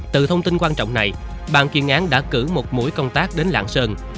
từ thông tin quan trọng này bàn chuyên án đã cử một mũi công tác đến lạng sơn